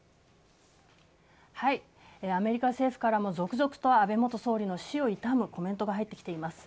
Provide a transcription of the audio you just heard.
アメリカ政府からも続々と安倍元総理の死を悼むコメントが入ってきています。